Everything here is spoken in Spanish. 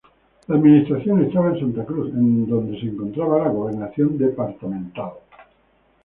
La administración estaba en Santa Cruz, en donde se encontraba la Gobernación Departamental.